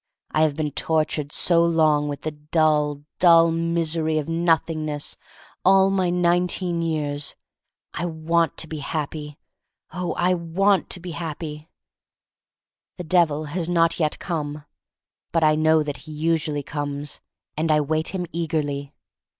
I have been tortured so long with the dull, dull misery of Nothingness — all my nineteen years. I want to be happy — oh, I want to be happy! The Devil has not yet come. But I know that he usually comes, and I wait him eagerly.